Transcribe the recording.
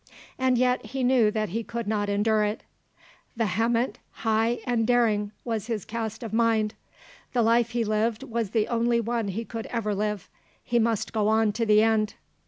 And yet he knew that he could not endure it. 'Vehement, high, and daring' was his cast of mind. The life he lived was the only one he could ever live; he must go on to the end.